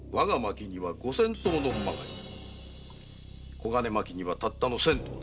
小金牧にはたったの千頭。